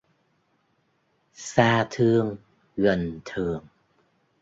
Xa thương, gần thường